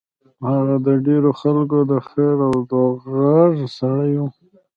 هغه د ډېرو خلکو د خېر او غږ سړی و.